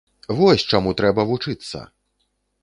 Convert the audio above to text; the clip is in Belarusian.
Вось чаму трэба вучыцца!